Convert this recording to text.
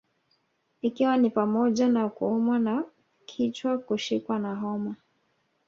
Ikiwa ni pamoja na kuumwa na kichwakushikwa na homa